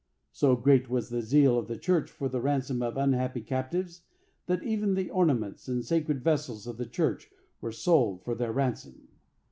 So great was the zeal of the church for the ransom of unhappy captives, that even the ornaments and sacred vessels of the church were sold for their ransom.